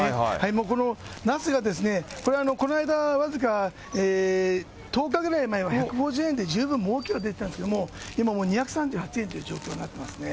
もうこのナスがこれこの間、僅か１０日ぐらい前は１５０円で十分もうけが出てたんですけども、今もう２３８円という状況になっていますね。